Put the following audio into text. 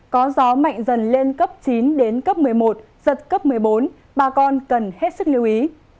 có gió mạnh dần lên cấp chín đến cấp một mươi một giật cấp một mươi bốn bà con cần hết sức lưu ý